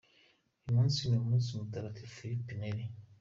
Uyu munsi ni umunsi wa Mutagatifu Philip Neri.